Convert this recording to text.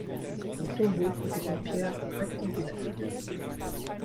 Les tombeaux étaient en pierre rectangulaire.